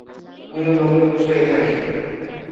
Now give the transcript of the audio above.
নীল নদের উৎস এখানেই।